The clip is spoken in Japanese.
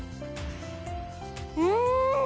うん！